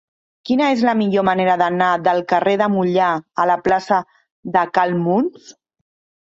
Quina és la millor manera d'anar del carrer de Moià a la plaça de Cal Muns?